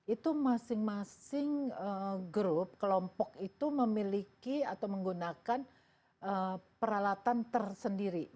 itu masing masing grup kelompok itu memiliki atau menggunakan peralatan tersendiri